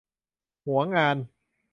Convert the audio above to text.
หวงงาน